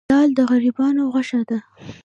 دال د غریبانو غوښه ده.